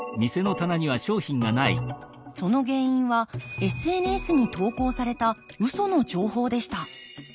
その原因はＳＮＳに投稿されたウソの情報でした。